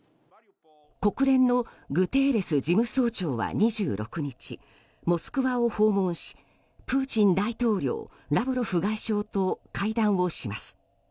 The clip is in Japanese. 国連のグテーレス事務総長は２６日モスクワを訪問しプーチン大統領、ラブロフ外相と会談をします。